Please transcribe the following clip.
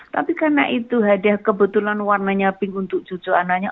tapi karena itu hadiah kebetulan warnanya pink untuk cucu anaknya